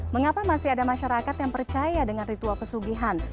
mengapa masih ada masyarakat yang percaya dengan ritual pesugihan